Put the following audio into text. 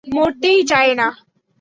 মরতেই চায় না!